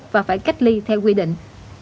và phải cách ly theo quy định